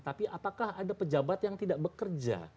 tapi apakah ada pejabat yang tidak bekerja